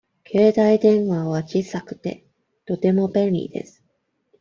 携帯電話は小さくて、とても便利です。